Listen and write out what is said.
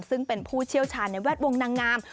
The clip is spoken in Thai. ซึ่งเป็นผู้เชี่ยวชาญในแวดวงนางงาม